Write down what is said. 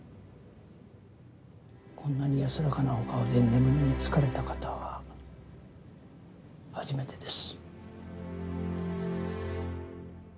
こんなに安らかなお顔で眠りにつかれた方は初めてです。